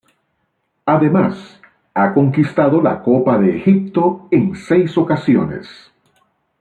Además ha conquistado la Copa de Egipto en seis ocasiones.